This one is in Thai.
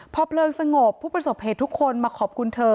พอเพลิงสงบผู้ประสบเหตุทุกคนมาขอบคุณเธอ